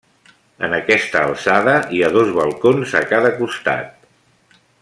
En aquesta alçada hi ha dos balcons a cada costat.